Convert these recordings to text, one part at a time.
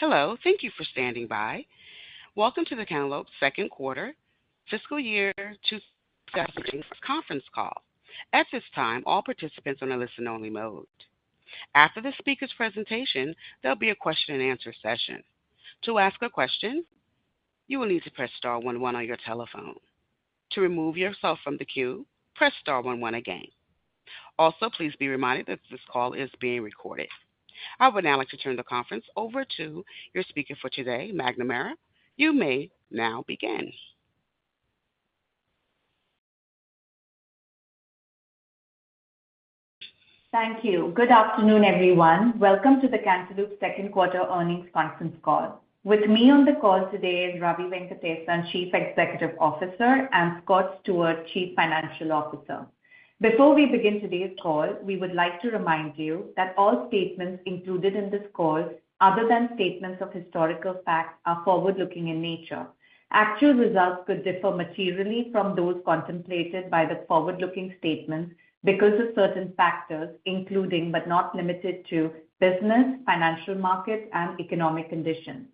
Hello. Thank you for standing by. Welcome to the Cantaloupe Second Quarter Fiscal Year 2023 Conference Call. At this time, all participants are in a listen-only mode. After the speaker's presentation, there'll be a question-and-answer session. To ask a question, you will need to press star one one on your telephone. To remove yourself from the queue, press star one one again. Also, please be reminded that this call is being recorded. I would now like to turn the conference over to your speaker for today, Magna Mera. You may now begin. Thank you. Good afternoon, everyone. Welcome to the Cantaloupe second quarter earnings conference call. With me on the call today is Ravi Venkatesan, Chief Executive Officer, and Scott Stewart, Chief Financial Officer. Before we begin today's call, we would like to remind you that all statements included in this call, other than statements of historical fact, are forward-looking in nature. Actual results could differ materially from those contemplated by the forward-looking statements because of certain factors, including, but not limited to, business, financial markets, and economic conditions.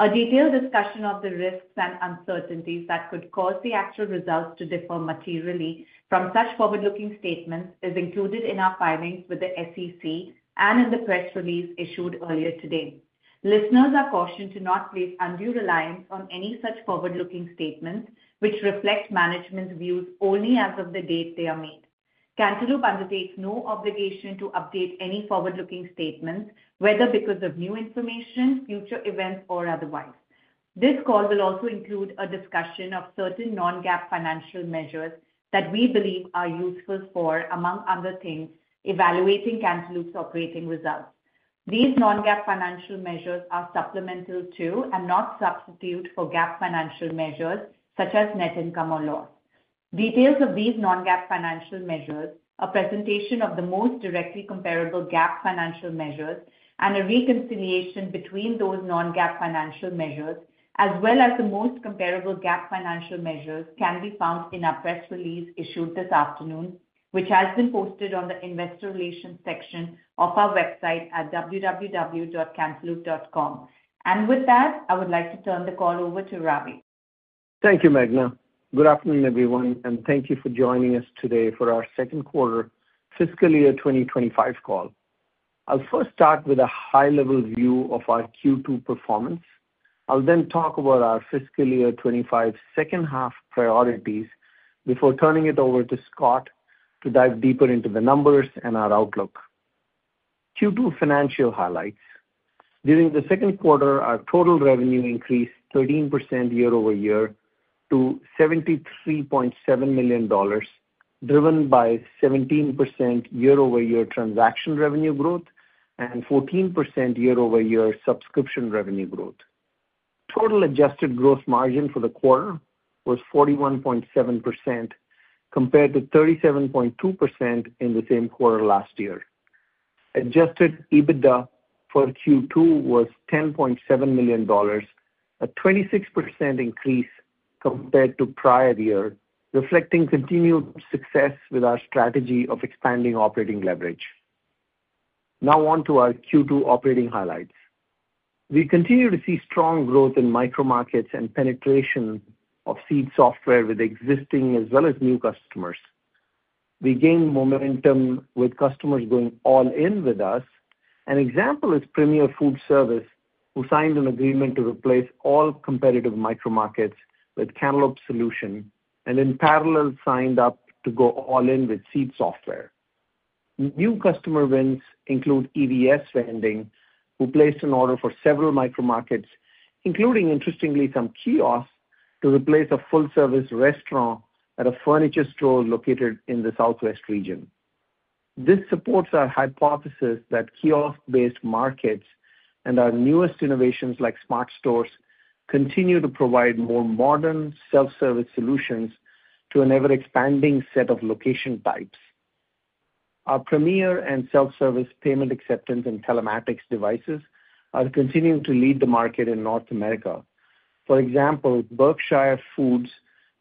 A detailed discussion of the risks and uncertainties that could cause the actual results to differ materially from such forward-looking statements is included in our filings with the SEC and in the press release issued earlier today. Listeners are cautioned to not place undue reliance on any such forward-looking statements, which reflect management's views only as of the date they are made. Cantaloupe undertakes no obligation to update any forward-looking statements, whether because of new information, future events, or otherwise. This call will also include a discussion of certain non-GAAP financial measures that we believe are useful for, among other things, evaluating Cantaloupe's operating results. These non-GAAP financial measures are supplemental to and not substitute for GAAP financial measures such as net income or loss. Details of these non-GAAP financial measures, a presentation of the most directly comparable GAAP financial measures, and a reconciliation between those non-GAAP financial measures, as well as the most comparable GAAP financial measures, can be found in our press release issued this afternoon, which has been posted on the investor relations section of our website at www.cantaloupe.com. And with that, I would like to turn the call over to Ravi. Thank you, Magna Mera. Good afternoon, everyone, and thank you for joining us today for our second quarter fiscal year 2025 call. I'll first start with a high-level view of our Q2 performance. I'll then talk about our fiscal year 2025 second half priorities before turning it over to Scott to dive deeper into the numbers and our outlook. Q2 financial highlights: during the second quarter, our total revenue increased 13% year over year to $73.7 million, driven by 17% year over year transaction revenue growth and 14% year over year subscription revenue growth. Total adjusted gross margin for the quarter was 41.7%, compared to 37.2% in the same quarter last year. Adjusted EBITDA for Q2 was $10.7 million, a 26% increase compared to prior year, reflecting continued success with our strategy of expanding operating leverage. Now on to our Q2 operating highlights. We continue to see strong growth in micro markets and penetration of Seed Software with existing as well as new customers. We gained momentum with customers going all in with us. An example is Premier Food Service, who signed an agreement to replace all competitive micro markets with Cantaloupe solutions and in parallel signed up to go all in with Seed Software. New customer wins include EBS Vending, who placed an order for several micro markets, including, interestingly, some kiosks to replace a full-service restaurant at a furniture store located in the southwest region. This supports our hypothesis that kiosk-based markets and our newest innovations like Smart Stores continue to provide more modern self-service solutions to an ever-expanding set of location types. Our premier and self-service payment acceptance and telematics devices are continuing to lead the market in North America. For example, Berkshire Food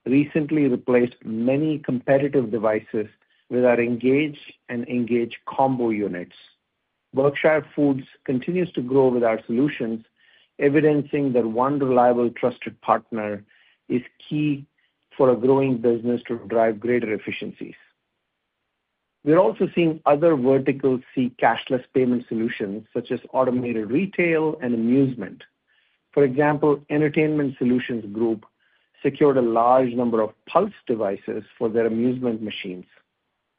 recently replaced many competitive devices with our Engage and Engage Combo units. Berkshire Food continues to grow with our solutions, evidencing that one reliable, trusted partner is key for a growing business to drive greater efficiencies. We're also seeing other verticals see cashless payment solutions, such as automated retail and amusement. For example, Entertainment Solutions Group secured a large number of Pulse devices for their amusement machines.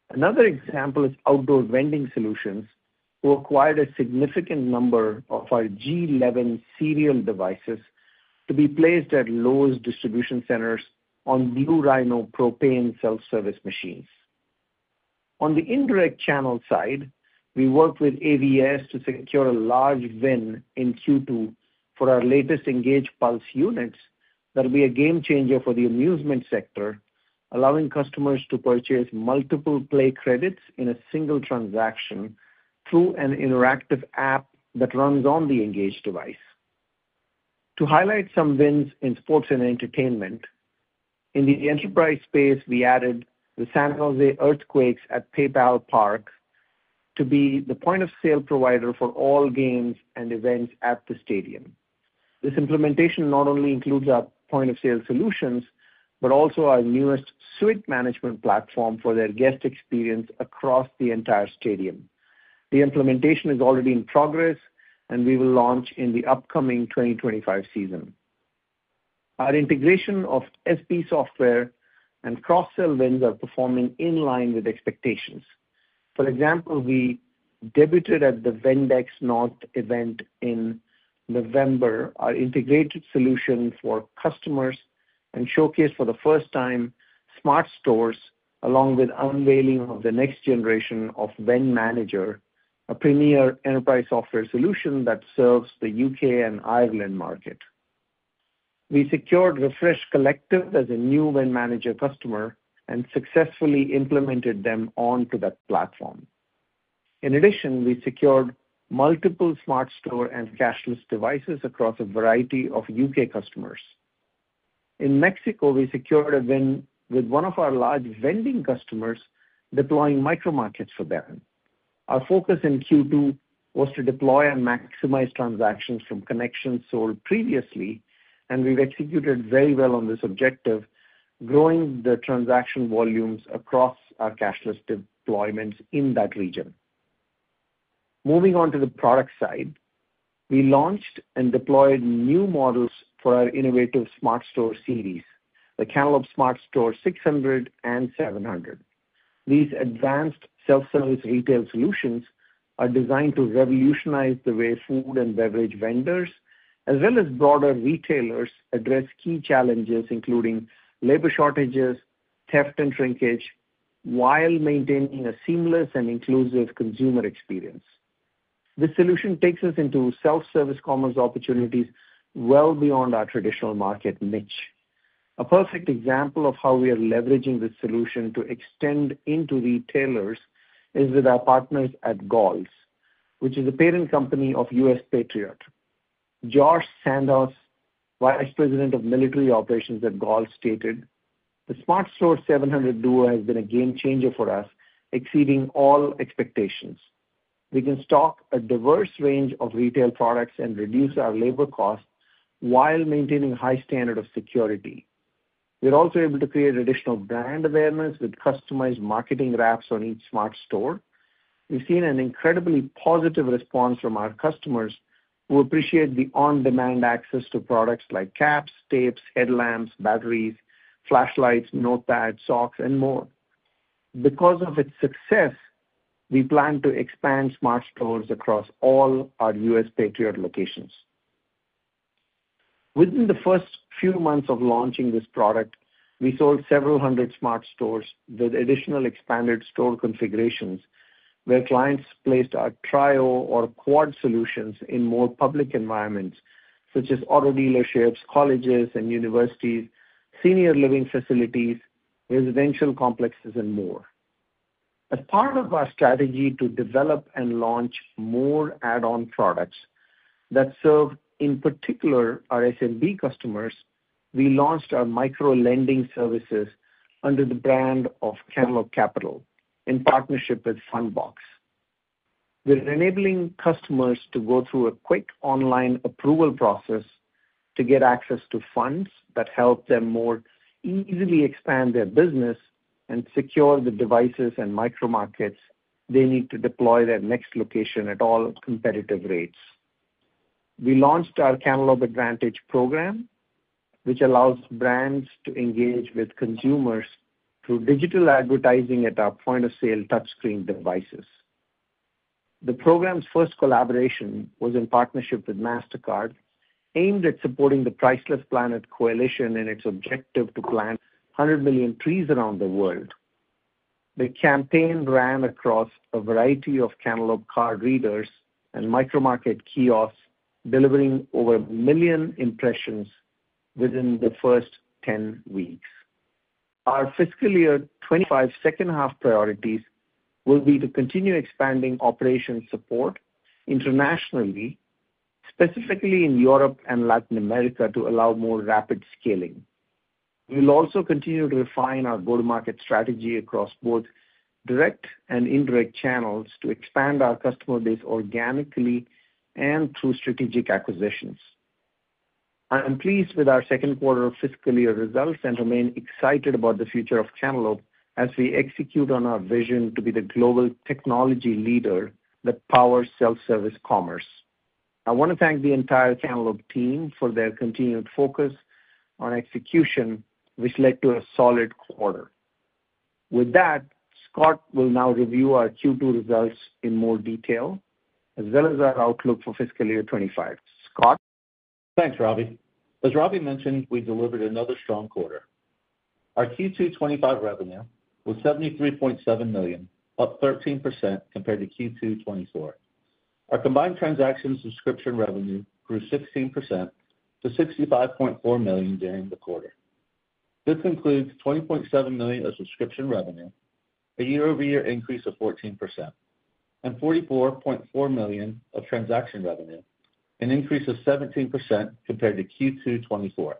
Another example is Outdoor Vending Solutions, who acquired a significant number of our G11 serial devices to be placed at Lowe's distribution centers on Blue Rhino propane self-service machines. On the indirect channel side, we worked with AVS to secure a large win in Q2 for our latest Engage Pulse units that will be a game changer for the amusement sector, allowing customers to purchase multiple play credits in a single transaction through an interactive app that runs on the Engage device. To highlight some wins in sports and entertainment, in the enterprise space, we added the San Jose Earthquakes at PayPal Park to be the point of sale provider for all games and events at the stadium. This implementation not only includes our point of sale solutions, but also our newest suite management platform for their guest experience across the entire stadium. The implementation is already in progress, and we will launch in the upcoming 2025 season. Our integration of SB software and cross-sell wins are performing in line with expectations. For example, we debuted at the Vendex North event in November, our integrated solution for customers, and showcased for the first time smart stores, along with unveiling of the next generation of Vendmanager, a premier enterprise software solution that serves the U.K. and Ireland market. We secured Refreshment Collective as a new Vendmanager customer and successfully implemented them onto that platform. In addition, we secured multiple smart store and cashless devices across a variety of U.K. customers. In Mexico, we secured a win with one of our large vending customers, deploying micro markets for them. Our focus in Q2 was to deploy and maximize transactions from connections sold previously, and we've executed very well on this objective, growing the transaction volumes across our cashless deployments in that region. Moving on to the product side, we launched and deployed new models for our innovative Smart Store series, the Cantaloupe Smart Store 600 and 700. These advanced self-service retail solutions are designed to revolutionize the way food and beverage vendors, as well as broader retailers, address key challenges, including labor shortages, theft, and shrinkage, while maintaining a seamless and inclusive consumer experience. This solution takes us into self-service commerce opportunities well beyond our traditional market niche. A perfect example of how we are leveraging this solution to extend into retailers is with our partners at Galls, which is a parent company of US Patriot. George Sandhaus, Vice President of Military Operations at Galls, stated, "The Smart Store 700 Duo has been a game changer for us, exceeding all expectations. We can stock a diverse range of retail products and reduce our labor costs while maintaining a high standard of security. We're also able to create additional brand awareness with customized marketing wraps on each smart store. We've seen an incredibly positive response from our customers who appreciate the on-demand access to products like caps, tapes, headlamps, batteries, flashlights, notepads, socks, and more. Because of its success, we plan to expand smart stores across all our US Patriot locations." Within the first few months of launching this product, we sold several hundred smart stores with additional expanded store configurations where clients placed our trio or quad solutions in more public environments, such as auto dealerships, colleges and universities, senior living facilities, residential complexes, and more. As part of our strategy to develop and launch more add-on products that serve in particular our SMB customers, we launched our microlending services under the brand of Cantaloupe Capital in partnership with Fundbox. We're enabling customers to go through a quick online approval process to get access to funds that help them more easily expand their business and secure the devices and micro markets they need to deploy their next location at all competitive rates. We launched our Cantaloupe Advantage program, which allows brands to engage with consumers through digital advertising at our point of sale touchscreen devices. The program's first collaboration was in partnership with Mastercard, aimed at supporting the Priceless Planet Coalition and its objective to plant 100 million trees around the world. The campaign ran across a variety of Cantaloupe card readers and micro market kiosks, delivering over 1 million impressions within the first 10 weeks. Our fiscal year 2025 second half priorities will be to continue expanding operational support internationally, specifically in Europe and Latin America, to allow more rapid scaling. We'll also continue to refine our go-to-market strategy across both direct and indirect channels to expand our customer base organically and through strategic acquisitions. I'm pleased with our second quarter fiscal year results and remain excited about the future of Cantaloupe as we execute on our vision to be the global technology leader that powers self-service commerce. I want to thank the entire Cantaloupe team for their continued focus on execution, which led to a solid quarter. With that, Scott will now review our Q2 results in more detail, as well as our outlook for fiscal year 25. Scott. Thanks, Ravi. As Ravi mentioned, we delivered another strong quarter. Our Q2 2025 revenue was $73.7 million, up 13% compared to Q2 2024. Our combined transaction subscription revenue grew 16% to $65.4 million during the quarter. This includes $20.7 million of subscription revenue, a year-over-year increase of 14%, and $44.4 million of transaction revenue, an increase of 17% compared to Q2 2024.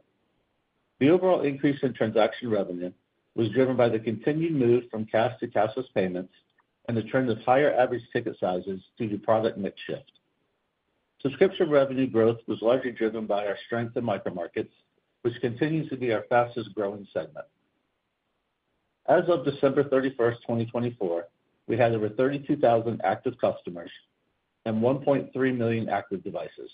The overall increase in transaction revenue was driven by the continued move from cash to cashless payments and the trend of higher average ticket sizes due to product mix shift. Subscription revenue growth was largely driven by our strength in micro markets, which continues to be our fastest growing segment. As of December 31st, 2024, we had over 32,000 active customers and 1.3 million active devices,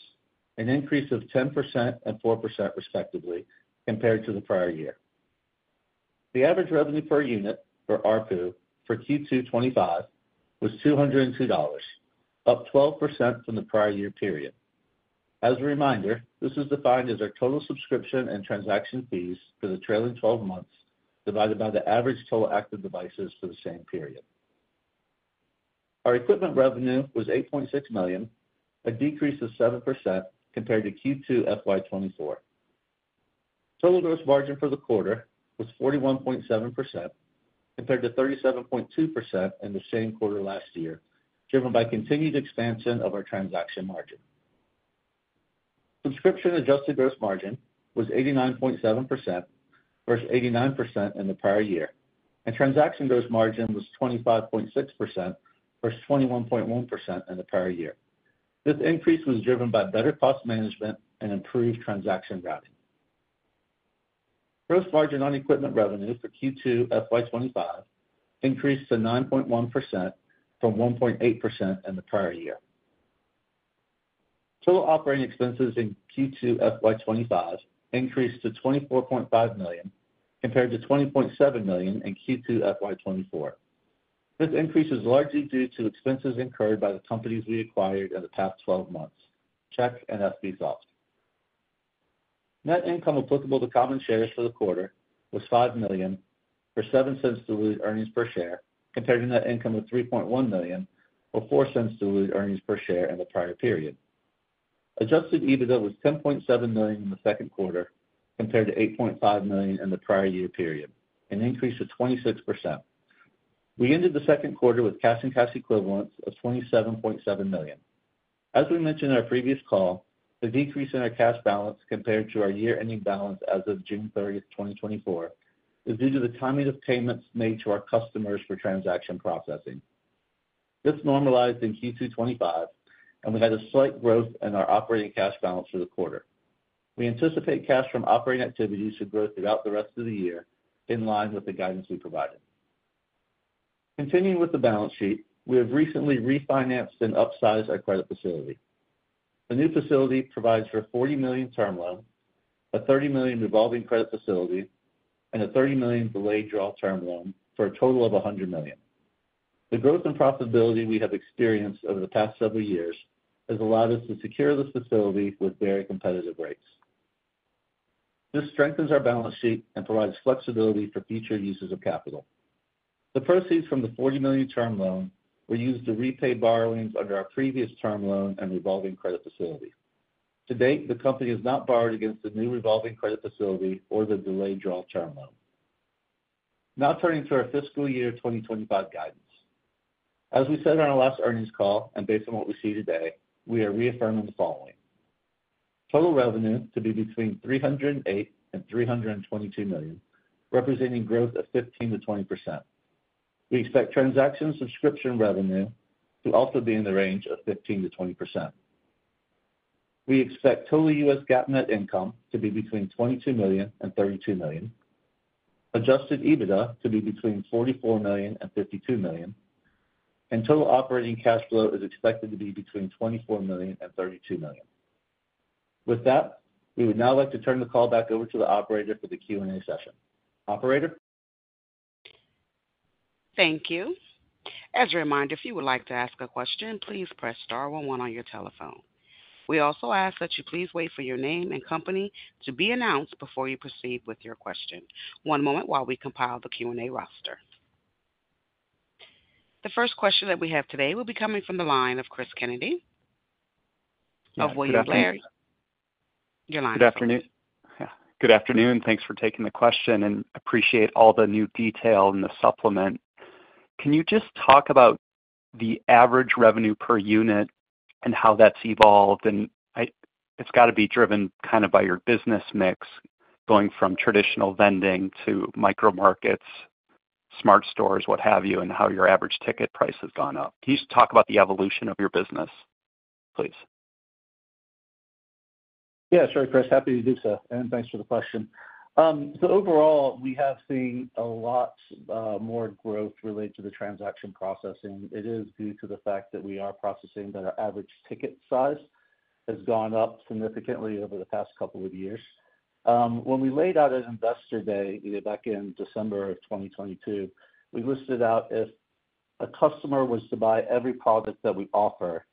an increase of 10% and 4% respectively compared to the prior year. The average revenue per unit for ARPU for Q2 25 was $202, up 12% from the prior year period. As a reminder, this is defined as our total subscription and transaction fees for the trailing 12 months divided by the average total active devices for the same period. Our equipment revenue was $8.6 million, a decrease of 7% compared to Q2 FY 24. Total gross margin for the quarter was 41.7% compared to 37.2% in the same quarter last year, driven by continued expansion of our transaction margin. Subscription adjusted gross margin was 89.7% versus 89% in the prior year, and transaction gross margin was 25.6% versus 21.1% in the prior year. This increase was driven by better cost management and improved transaction routing. Gross margin on equipment revenue for Q2 FY 25 increased to 9.1% from 1.8% in the prior year. Total operating expenses in Q2 FY 25 increased to $24.5 million compared to $20.7 million in Q2 FY 24. This increase is largely due to expenses incurred by the companies we acquired in the past 12 months: CHEQ and SB Software. Net income applicable to common shares for the quarter was $5 million or $0.07 diluted earnings per share, compared to net income of $3.1 million or $0.04 diluted earnings per share in the prior period. Adjusted EBITDA was $10.7 million in the second quarter compared to $8.5 million in the prior year period, an increase of 26%. We ended the second quarter with cash and cash equivalents of $27.7 million. As we mentioned in our previous call, the decrease in our cash balance compared to our year-ending balance as of June 30th, 2024, is due to the timing of payments made to our customers for transaction processing. This normalized in Q2 2025, and we had a slight growth in our operating cash balance for the quarter. We anticipate cash from operating activities to grow throughout the rest of the year in line with the guidance we provided. Continuing with the balance sheet, we have recently refinanced and upsized our credit facility. The new facility provides for a $40 million term loan, a $30 million revolving credit facility, and a $30 million delayed draw term loan for a total of $100 million. The growth and profitability we have experienced over the past several years has allowed us to secure this facility with very competitive rates. This strengthens our balance sheet and provides flexibility for future uses of capital. The proceeds from the $40 million term loan were used to repay borrowings under our previous term loan and revolving credit facility. To date, the company has not borrowed against the new revolving credit facility or the delayed draw term loan. Now turning to our fiscal year 2025 guidance. As we said on our last earnings call and based on what we see today, we are reaffirming the following: total revenue to be between $308 million and $322 million, representing growth of 15%-20%. We expect transaction subscription revenue to also be in the range of 15%-20%. We expect total U.S. GAAP net income to be between $22 million and $32 million. Adjusted EBITDA to be between $44 million and $52 million. And total operating cash flow is expected to be between $24 million and $32 million. With that, we would now like to turn the call back over to the operator for the Q&A session. Operator. Thank you. As a reminder, if you would like to ask a question, please press star one one on your telephone. We also ask that you please wait for your name and company to be announced before you proceed with your question. One moment while we compile the Q&A roster. The first question that we have today will be coming from the line of Cris Kennedy. Good afternoon. Of William Blair. Your line. Good afternoon. Yeah. Good afternoon. Thanks for taking the question and appreciate all the new detail and the supplement. Can you just talk about the average revenue per unit and how that's evolved, and it's got to be driven kind of by your business mix, going from traditional vending to micro markets, smart stores, what have you, and how your average ticket price has gone up. Can you just talk about the evolution of your business, please? Yeah. Sure, Chris. Happy to do so. And thanks for the question. So overall, we have seen a lot more growth related to the transaction processing. It is due to the fact that we are processing that our average ticket size has gone up significantly over the past couple of years. When we laid out an investor day back in December of 2022, we listed out if a customer was to buy every product that we offer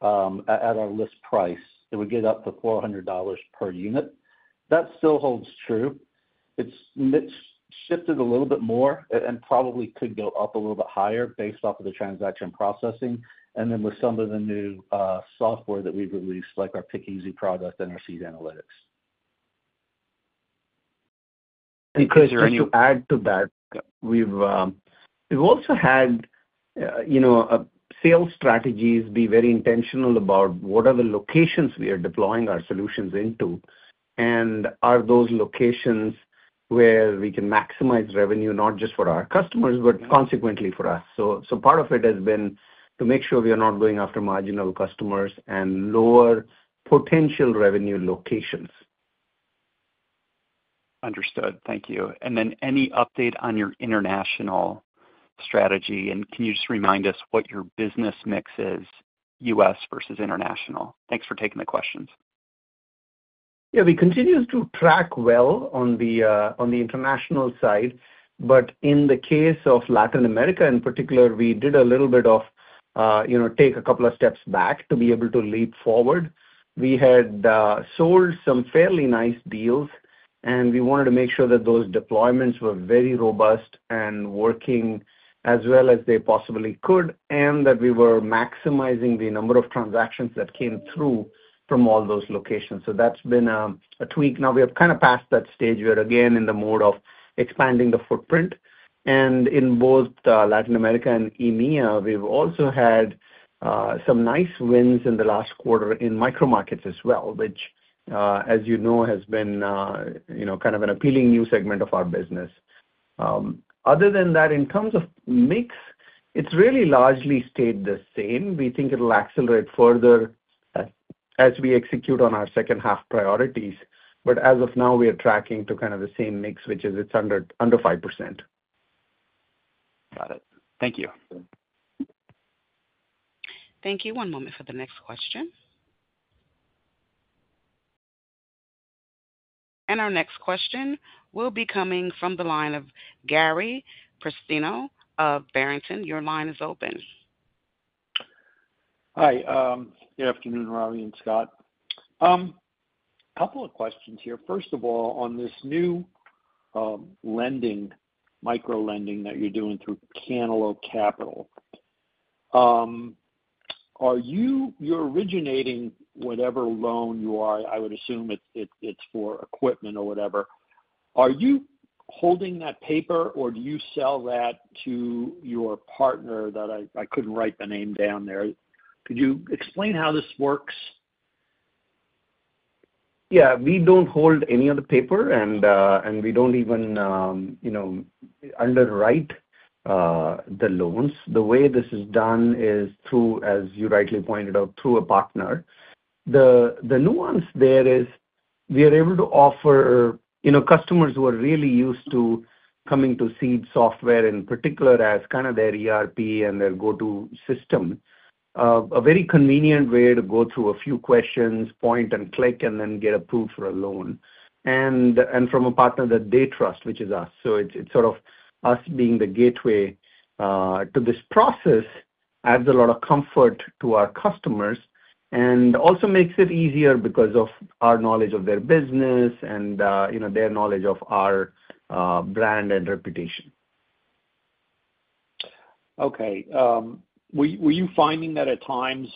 at our list price, it would get up to $400 per unit. That still holds true. It's shifted a little bit more and probably could go up a little bit higher based off of the transaction processing and then with some of the new software that we've released, like our Seed Pick product and our Seed Analytics. And Chris, if you add to that, we've also had sales strategies be very intentional about what are the locations we are deploying our solutions into and are those locations where we can maximize revenue, not just for our customers, but consequently for us. So part of it has been to make sure we are not going after marginal customers and lower potential revenue locations. Understood. Thank you. And then any update on your international strategy? And can you just remind us what your business mix is, U.S. versus international? Thanks for taking the questions. Yeah. We continue to track well on the international side, but in the case of Latin America in particular, we did a little bit of take a couple of steps back to be able to leap forward. We had sold some fairly nice deals, and we wanted to make sure that those deployments were very robust and working as well as they possibly could and that we were maximizing the number of transactions that came through from all those locations. So that's been a tweak. Now we have kind of passed that stage where again, in the mode of expanding the footprint. And in both Latin America and EMEA, we've also had some nice wins in the last quarter in micro markets as well, which, as you know, has been kind of an appealing new segment of our business. Other than that, in terms of mix, it's really largely stayed the same. We think it'll accelerate further as we execute on our second half priorities. But as of now, we are tracking to kind of the same mix, which is it's under 5%. Got it. Thank you. Thank you. One moment for the next question, and our next question will be coming from the line of Gary Prestopino of Barrington. Your line is open. Hi. Good afternoon, Ravi and Scott. A couple of questions here. First of all, on this new lending, micro lending that you're doing through Cantaloupe Capital, are you originating whatever loan you are? I would assume it's for equipment or whatever. Are you holding that paper or do you sell that to your partner that I couldn't write the name down there? Could you explain how this works? Yeah. We don't hold any of the paper, and we don't even underwrite the loans. The way this is done is through, as you rightly pointed out, through a partner. The nuance there is we are able to offer customers who are really used to coming to Seed Software in particular as kind of their ERP and their go-to system, a very convenient way to go through a few questions, point and click, and then get approved for a loan and from a partner that they trust, which is us. So it's sort of us being the gateway to this process, adds a lot of comfort to our customers, and also makes it easier because of our knowledge of their business and their knowledge of our brand and reputation. Okay. Were you finding that at times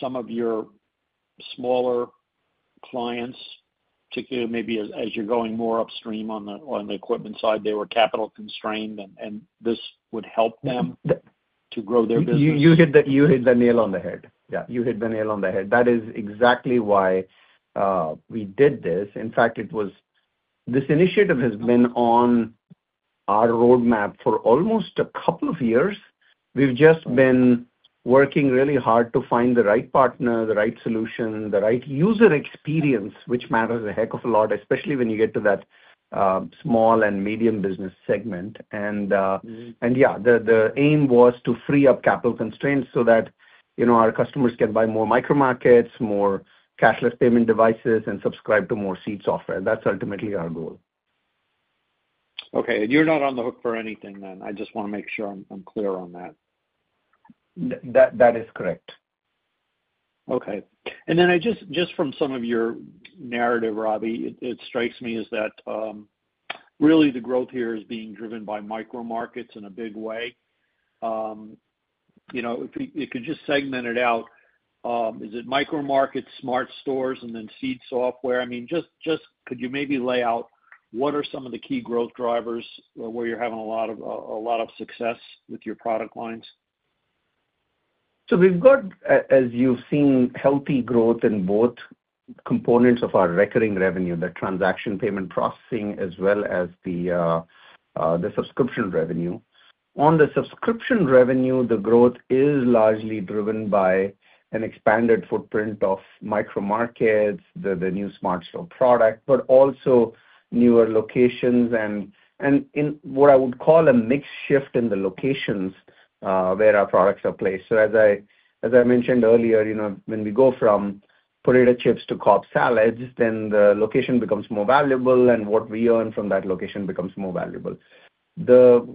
some of your smaller clients, particularly maybe as you're going more upstream on the equipment side, they were capital constrained and this would help them to grow their business? You hit the nail on the head. Yeah. You hit the nail on the head. That is exactly why we did this. In fact, this initiative has been on our roadmap for almost a couple of years. We've just been working really hard to find the right partner, the right solution, the right user experience, which matters a heck of a lot, especially when you get to that small and medium business segment, and yeah, the aim was to free up capital constraints so that our customers can buy more micro markets, more cashless payment devices, and subscribe to more Seed Software. That's ultimately our goal. Okay. And you're not on the hook for anything then. I just want to make sure I'm clear on that. That is correct. Okay. And then just from some of your narrative, Ravi, it strikes me is that really the growth here is being driven by micro markets in a big way. If you could just segment it out, is it micro markets, smart stores, and then Seed Software? I mean, just could you maybe lay out what are some of the key growth drivers where you're having a lot of success with your product lines? So we've got, as you've seen, healthy growth in both components of our recurring revenue, the transaction payment processing as well as the subscription revenue. On the subscription revenue, the growth is largely driven by an expanded footprint of micro markets, the new smart store product, but also newer locations and what I would call a mixed shift in the locations where our products are placed. So as I mentioned earlier, when we go from potato chips to Cobb salads, then the location becomes more valuable, and what we earn from that location becomes more valuable. The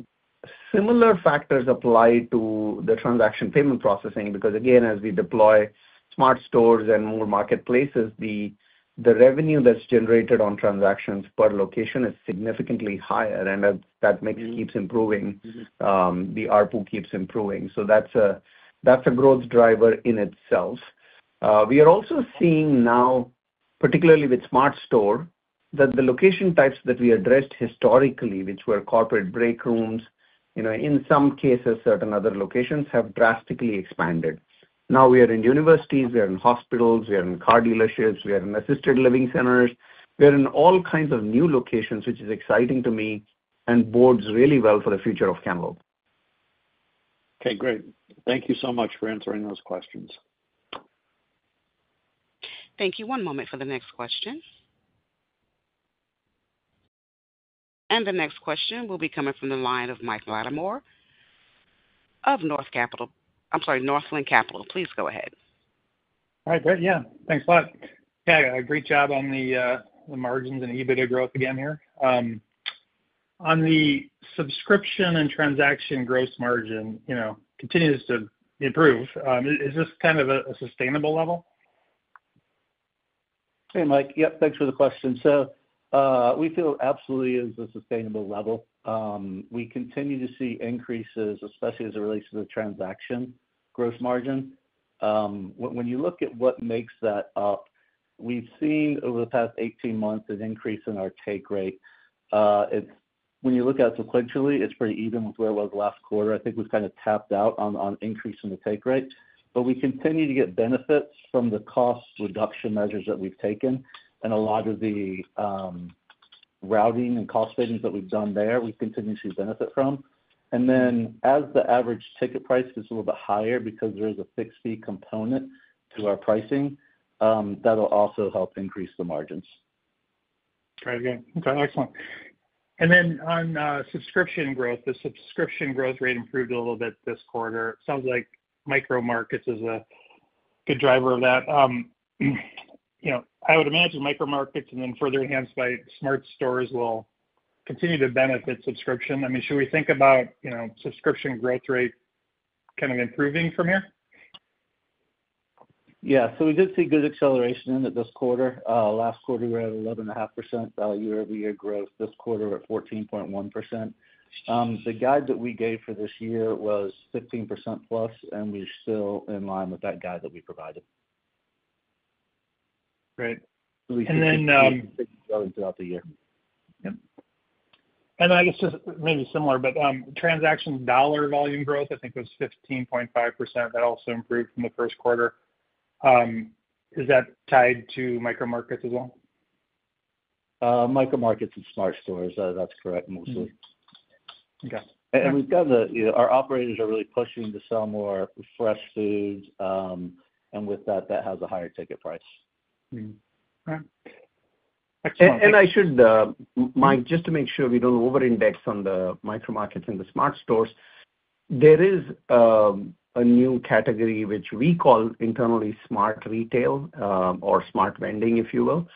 similar factors apply to the transaction payment processing because, again, as we deploy smart stores and more marketplaces, the revenue that's generated on transactions per location is significantly higher, and that mix keeps improving. The ARPU keeps improving. So that's a growth driver in itself. We are also seeing now, particularly with Smart Store, that the location types that we addressed historically, which were corporate break rooms, in some cases, certain other locations have drastically expanded. Now we are in universities, we are in hospitals, we are in car dealerships, we are in assisted living centers. We are in all kinds of new locations, which is exciting to me and bodes really well for the future of Cantaloupe. Okay. Great. Thank you so much for answering those questions. Thank you. One moment for the next question, and the next question will be coming from the line of Mike Latimore of North Capital. I'm sorry, Northland Capital. Please go ahead. All right. Great. Yeah. Thanks a lot. Yeah. A great job on the margins and EBITDA growth again here. On the subscription and transaction gross margin continues to improve. Is this kind of a sustainable level? Hey, Mike. Yep. Thanks for the question. So we feel absolutely it is a sustainable level. We continue to see increases, especially as it relates to the transaction gross margin. When you look at what makes that up, we've seen over the past 18 months an increase in our take rate. When you look at it sequentially, it's pretty even with where it was last quarter. I think we've kind of tapped out on increasing the take rate, but we continue to get benefits from the cost reduction measures that we've taken, and a lot of the routing and cost savings that we've done there, we continue to benefit from. And then as the average ticket price gets a little bit higher because there is a fixed fee component to our pricing, that'll also help increase the margins. Okay. Excellent. And then on subscription growth, the subscription growth rate improved a little bit this quarter. It sounds like micro markets is a good driver of that. I would imagine micro markets and then further enhanced by smart stores will continue to benefit subscription. I mean, should we think about subscription growth rate kind of improving from here? Yeah. So we did see good acceleration in it this quarter. Last quarter, we were at 11.5% year-over-year growth. This quarter, we're at 14.1%. The guide that we gave for this year was 15% plus, and we're still in line with that guide that we provided. Great. And then. At least we've been growing throughout the year. Yep. I guess just maybe similar, but transaction dollar volume growth, I think, was 15.5%. That also improved from the first quarter. Is that tied to micro markets as well? Micro markets and smart stores. That's correct, mostly. Okay. We've got our operators are really pushing to sell more fresh foods, and with that, that has a higher ticket price. Okay. Excellent. I should, Mike, just to make sure we don't over-index on the micro markets and the smart stores, there is a new category which we call internally smart retail or smart vending, if you will.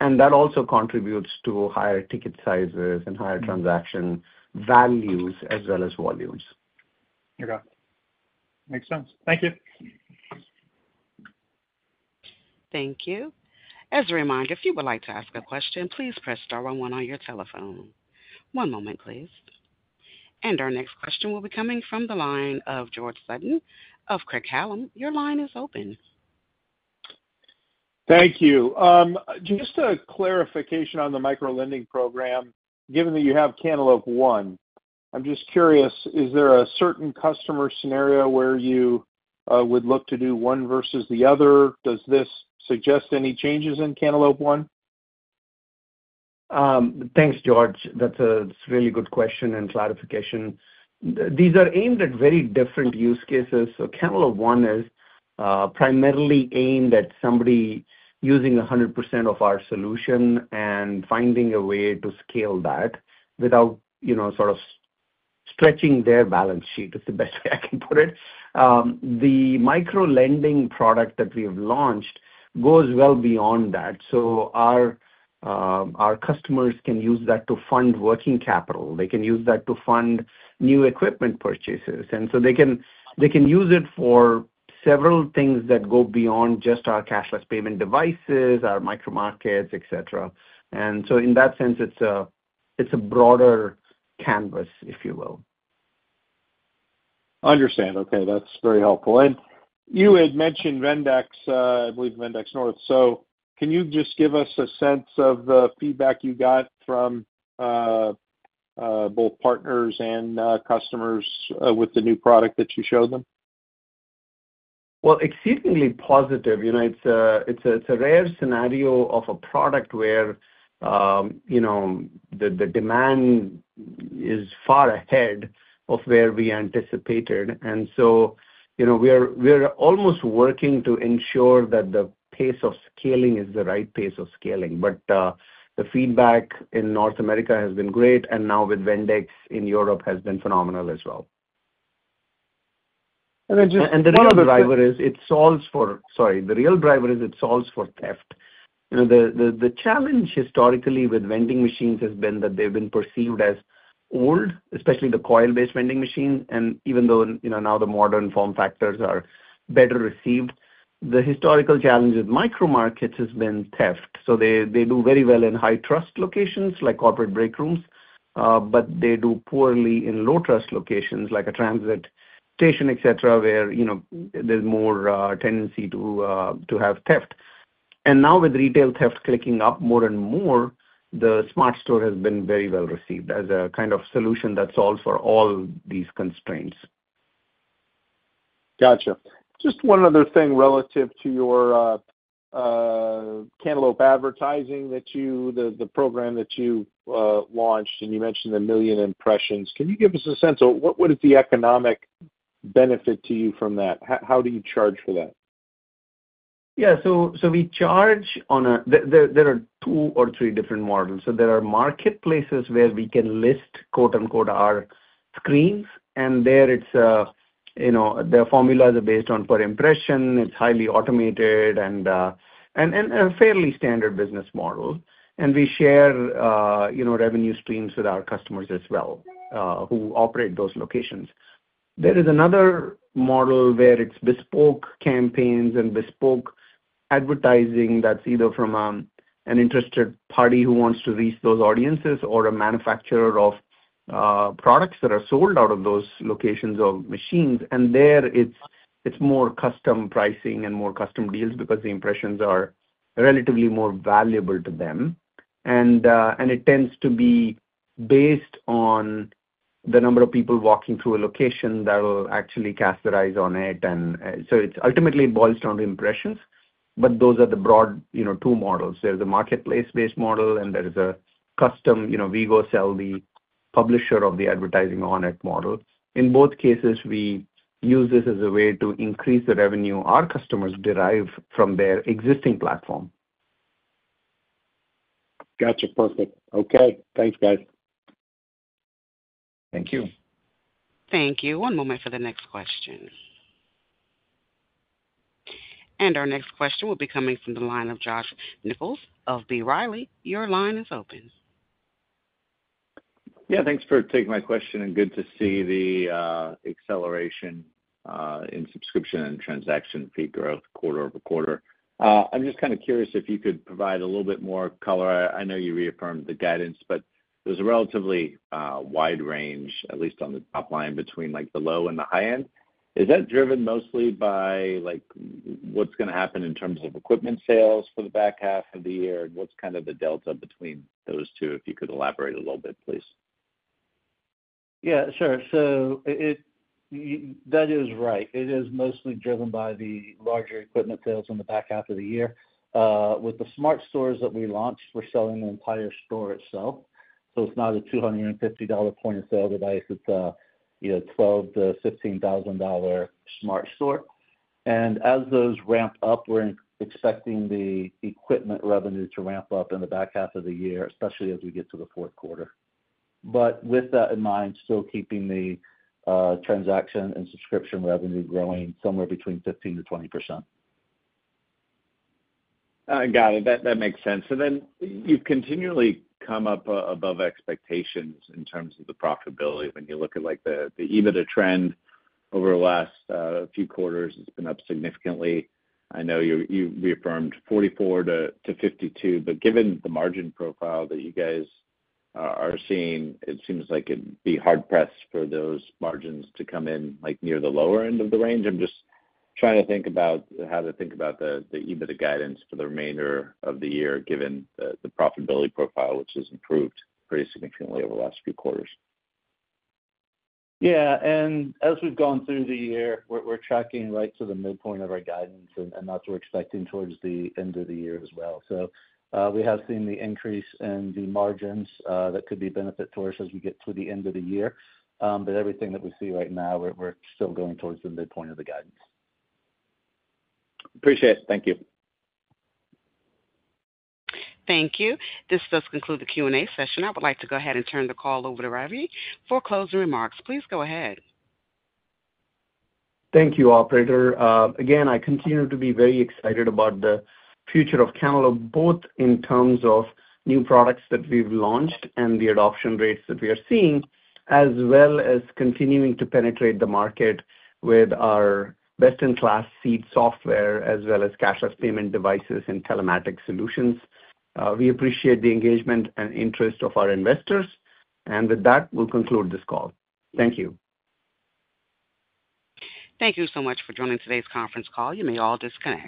That also contributes to higher ticket sizes and higher transaction values as well as volumes. Okay. Makes sense. Thank you. Thank you. As a reminder, if you would like to ask a question, please press star 11 on your telephone. One moment, please. And our next question will be coming from the line of George Sutton of Craig-Hallum. Your line is open. Thank you. Just a clarification on the micro lending program. Given that you have Cantaloupe One, I'm just curious, is there a certain customer scenario where you would look to do one versus the other? Does this suggest any changes in Cantaloupe One? Thanks, George. That's a really good question and clarification. These are aimed at very different use cases. So Cantaloupe One is primarily aimed at somebody using 100% of our solution and finding a way to scale that without sort of stretching their balance sheet. It's the best way I can put it. The micro lending product that we have launched goes well beyond that. So our customers can use that to fund working capital. They can use that to fund new equipment purchases. And so they can use it for several things that go beyond just our cashless payment devices, our micro markets, etc. And so in that sense, it's a broader canvas, if you will. Understand. Okay. That's very helpful, and you had mentioned Vendex, I believe Vendex North, so can you just give us a sense of the feedback you got from both partners and customers with the new product that you showed them? Exceedingly positive. It's a rare scenario of a product where the demand is far ahead of where we anticipated. So we're almost working to ensure that the pace of scaling is the right pace of scaling. The feedback in North America has been great, and now with Vendex in Europe has been phenomenal as well. And then, just one other. The real driver is it solves for theft. The challenge historically with vending machines has been that they've been perceived as old, especially the coil-based vending machines. Even though now the modern form factors are better received, the historical challenge with micro markets has been theft. So they do very well in high trust locations like corporate break rooms, but they do poorly in low trust locations like a transit station, etc., where there's more tendency to have theft. Now with retail theft clicking up more and more, the smart store has been very well received as a kind of solution that solves for all these constraints. Gotcha. Just one other thing relative to your Cantaloupe advertising, the program that you launched, and you mentioned the million impressions. Can you give us a sense of what is the economic benefit to you from that? How do you charge for that? Yeah. So we charge on a. There are two or three different models. So there are marketplaces where we can list, quote-unquote, "our screens," and there it's the formulas are based on per impression. It's highly automated and a fairly standard business model, and we share revenue streams with our customers as well who operate those locations. There is another model where it's bespoke campaigns and bespoke advertising that's either from an interested party who wants to reach those audiences or a manufacturer of products that are sold out of those locations of machines. And there it's more custom pricing and more custom deals because the impressions are relatively more valuable to them, and it tends to be based on the number of people walking through a location that will actually cast their eyes on it. And so ultimately, it boils down to impressions, but those are the broad two models. There's a marketplace-based model, and there is a custom we go sell the publisher of the advertising on it model. In both cases, we use this as a way to increase the revenue our customers derive from their existing platform. Gotcha. Perfect. Okay. Thanks, guys. Thank you. Thank you. One moment for the next question. And our next question will be coming from the line of Josh Nichols of B. Riley. Your line is open. Yeah. Thanks for taking my question. And good to see the acceleration in subscription and transaction fee growth quarter over quarter. I'm just kind of curious if you could provide a little bit more color. I know you reaffirmed the guidance, but there's a relatively wide range, at least on the top line between the low and the high end. Is that driven mostly by what's going to happen in terms of equipment sales for the back half of the year, and what's kind of the delta between those two? If you could elaborate a little bit, please. Yeah. Sure, so that is right. It is mostly driven by the larger equipment sales in the back half of the year. With the smart stores that we launched, we're selling the entire store itself. So it's not a $250 point of sale device. It's a $12,000-$15,000 smart store, and as those ramp up, we're expecting the equipment revenue to ramp up in the back half of the year, especially as we get to the fourth quarter, but with that in mind, still keeping the transaction and subscription revenue growing somewhere between 15%-20%. Got it. That makes sense. And then you've continually come up above expectations in terms of the profitability. When you look at the EBITDA trend over the last few quarters, it's been up significantly. I know you reaffirmed 44-52, but given the margin profile that you guys are seeing, it seems like it'd be hard pressed for those margins to come in near the lower end of the range. I'm just trying to think about how to think about the EBITDA guidance for the remainder of the year, given the profitability profile, which has improved pretty significantly over the last few quarters. Yeah, and as we've gone through the year, we're tracking right to the midpoint of our guidance, and that's what we're expecting towards the end of the year as well, so we have seen the increase in the margins that could be a benefit to us as we get to the end of the year, but everything that we see right now, we're still going towards the midpoint of the guidance. Appreciate it. Thank you. Thank you. This does conclude the Q&A session. I would like to go ahead and turn the call over to Ravi for closing remarks. Please go ahead. Thank you, Operator. Again, I continue to be very excited about the future of Cantaloupe, both in terms of new products that we've launched and the adoption rates that we are seeing, as well as continuing to penetrate the market with our best-in-class Seed Software, as well as cashless payment devices and Telematics solutions. We appreciate the engagement and interest of our investors. And with that, we'll conclude this call. Thank you. Thank you so much for joining today's conference call. You may all disconnect.